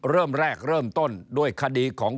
เริ่มแรกเริ่มต้นด้วยคดีของ